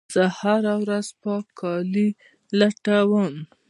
زه هره ورځ د پاک کالي لټوم.